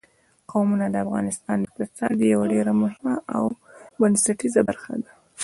قومونه د افغانستان د اقتصاد یوه ډېره مهمه او بنسټیزه برخه ده.